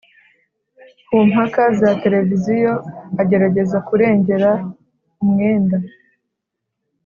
ku mpaka za televiziyo, agerageza kurengera umwenda